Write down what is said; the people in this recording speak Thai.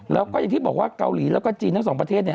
แล้วก็อย่างที่บอกว่าเกาหลีแล้วก็จีนทั้งสองประเทศ